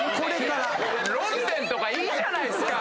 論点とかいいじゃない！